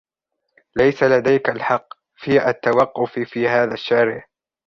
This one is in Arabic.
ليس لديك الحق في التوقف في هذا الشارع.